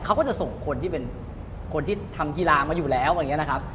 เขาก็จะส่งคนที่เป็นคนที่ทำกีฬามาอยู่แล้วอะไรอย่างนี้นะครับ